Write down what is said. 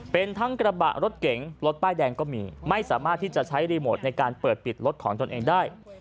เป็นทั้งกระบะรถเก๋งรถป้ายแดงก็มีไม่สามารถที่จะใช้รีโมทในการเปิดปิดรถของตนเองได้